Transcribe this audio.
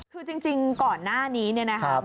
คือจริงก่อนหน้านี้เนี่ยนะครับ